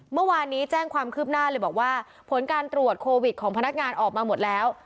เมื่อวานนี้แจ้งความคืบหน้าเลยบอกว่าผลการตรวจโควิดของพนักงานออกมาหมดแล้ว